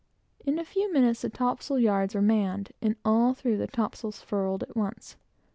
In a few minutes, the topsail yards were manned, and all three of the topsails furled at once.